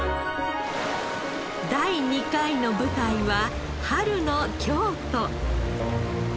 第２回の舞台は春の京都。